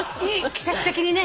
季節的にね。